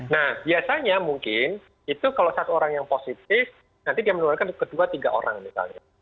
nah biasanya mungkin itu kalau satu orang yang positif nanti dia menularkan kedua tiga orang misalnya